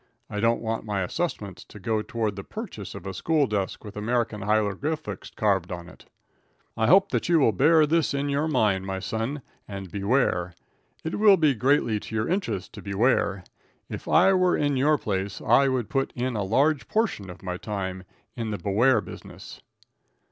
I don't want my assessments to go toward the purchase of a school desk with American hieroglyphics carved on it. "I hope that you will bear this in your mind, my son, and beware. It will be greatly to your interest to beware. If I were in your place I would put in a large portion of my time in the beware business."